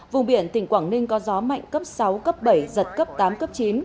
vùng biển tỉnh quảng ninh có gió mạnh cấp sáu cấp bảy giật cấp tám cấp chín